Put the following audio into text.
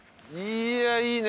いやいいね。